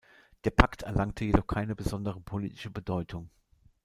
Der Pakt erlangte jedoch keine besondere politische Bedeutung.